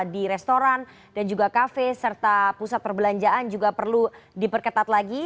di restoran dan juga kafe serta pusat perbelanjaan juga perlu diperketat lagi